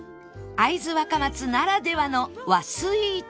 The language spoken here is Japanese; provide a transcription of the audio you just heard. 会津若松ならではの和スイーツ